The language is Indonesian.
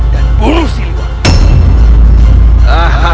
dan bunuh si luar